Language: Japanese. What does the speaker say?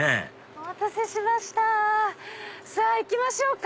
お待たせしましたさぁ行きましょうか。